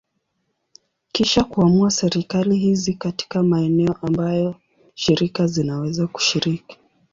Kisha kuamua serikali hizi katika maeneo ambayo shirika zinaweza kushiriki.